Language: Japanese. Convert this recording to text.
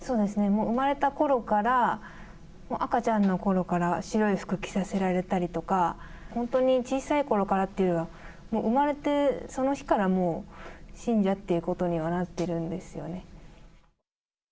もう生まれたころから、赤ちゃんのころから、白い服着させられたりとか、本当に小さいころからっていう、もう生まれて、その日から信者っていうことにはなっているんですよね。